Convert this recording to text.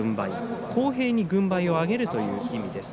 公平に軍配を上げるということです。